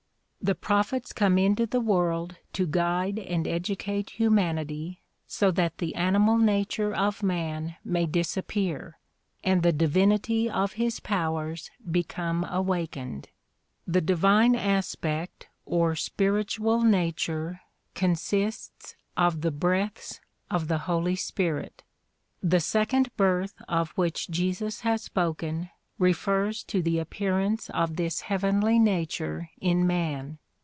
The prophets come into the world to guide and educate humanity so that the animal nature of man may disappear and the divinity of his powers become awak ened. The divine aspect or spiritual nature consists of the breaths of the Holy Spirit. The second birth of which Jesus has spoken refers to the appearance of this heavenly nature in man.